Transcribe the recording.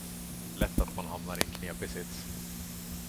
Lätt att man hamnar i en knepig sits!